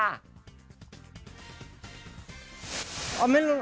อ้าแม่ลง